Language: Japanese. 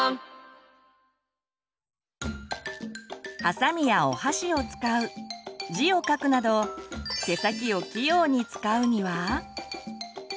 はさみやお箸を使う字を書くなど手先を器用に使うには？